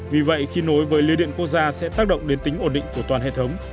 vì vậy khi nối với lưu điện quốc gia sẽ tác động đến tính ổn định của toàn hệ thống